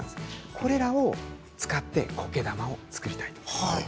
これらを使ってこけ玉を作りたいと思います。